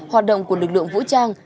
hoạt động của lực lượng vũ trang